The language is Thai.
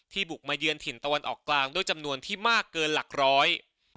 บุกมาเยือนถิ่นตะวันออกกลางด้วยจำนวนที่มากเกินหลักร้อย